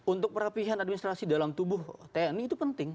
untuk perapihan administrasi dalam tubuh tni itu penting